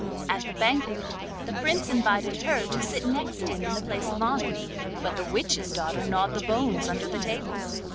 At the banquet the Prince invited her to sit next him in the place of honour; but the witch's daughter gnawed the bones under the table.